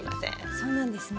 そうなんですね。